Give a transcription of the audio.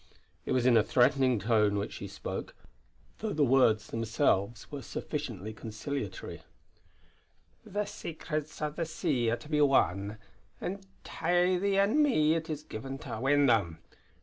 It was in a threatening tone which she spoke, though the words were themselves sufficiently conciliatory: "The Secrets o' the Sea are to be won; and tae thee and me it is given to win them.